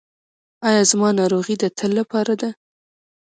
ایا زما ناروغي د تل لپاره ده؟